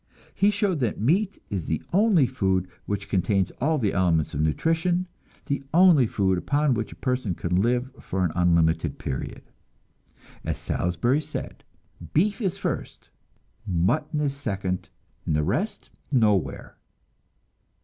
He showed that meat is the only food which contains all the elements of nutrition, the only food upon which a person can live for an unlimited period. As Salisbury said, "Beef is first, mutton is second, and the rest nowhere."